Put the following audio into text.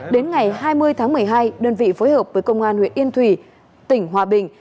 đến ngày hai mươi tháng một mươi hai đơn vị phối hợp với công an huyện yên thủy tỉnh hòa bình